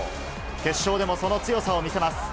決勝でもその強さを見せます。